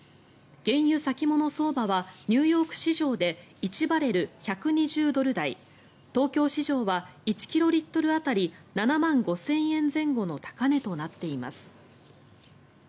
原油先物相場はニューヨーク市場で１バレル１２０ドル台東京市場は１キロリットル当たり７万５０００円前後の高値となっています。